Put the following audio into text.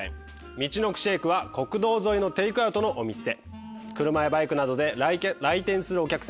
みちのくシェークは国道沿いのテイクアウトのお店」。